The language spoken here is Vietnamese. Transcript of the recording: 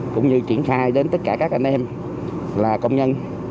cũng như triển khai đến tất cả các anh em là công nhân